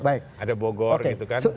ada bogor gitu kan